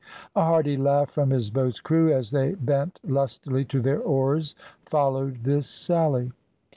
A hearty laugh from his boat's crew, as they bent lustily to their oars, followed this sally.